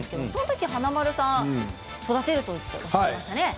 華丸さん、育てるとおっしゃっていましたね？